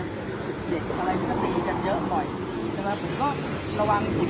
ตอนนี้กำหนังไปคุยของผู้สาวว่ามีคนละตบ